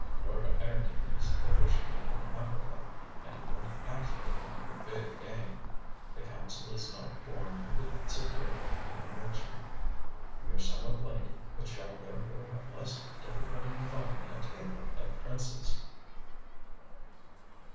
Lord Ireton is officially in Africa (and he went actually after 'big game'). The counsel is not born who could secure a conviction. We are somewhat late, but shall therefore have less difficulty in finding a table at Prince's.